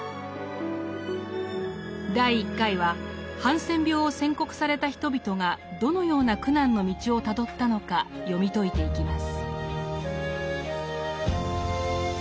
第１回はハンセン病を宣告された人々がどのような苦難の道をたどったのか読み解いていきます。